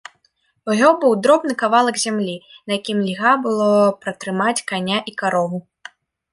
У яго быў дробны кавалак зямлі, на якім льга было пратрымаць каня і карову.